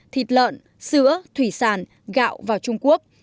thịt lợn sữa thủy sản gạo vào trung quốc